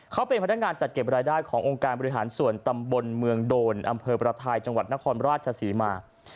เขาเป็นพนักงานจัดเก็บรายได้ขององค์การบริหารส่วนตำบลเมืองโดนอำเภอประทายจังหวัดนครราชศรีมา